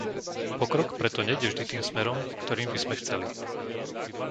Pokrok preto nejde vždy tým smerom, ktorým by sme chceli.